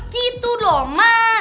gitu doh ma